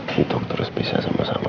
dihitung terus bisa sama sama